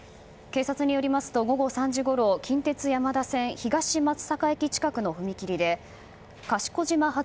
警察によりますと、午後３時ごろ近鉄山田線東松阪駅近くの踏切で賢島発